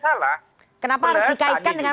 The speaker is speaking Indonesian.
salah kenapa harus dikaitkan dengan